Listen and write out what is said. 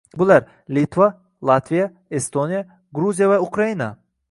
Bular: Litva, Latviya, Estoniya, Gruziya va Ukraina